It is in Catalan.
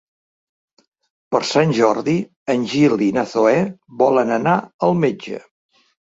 Per Sant Jordi en Gil i na Zoè volen anar al metge.